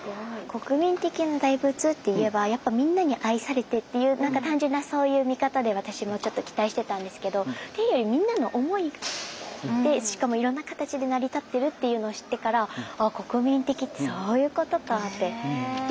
国民的な大仏っていえばやっぱみんなに愛されてっていう何か単純なそういう見方で私もちょっと期待してたんですけどっていうよりみんなの思いでしかもいろんな形で成り立ってるっていうのを知ってからああ国民的ってそういうことかってやっとここに来て分かった気がしますね。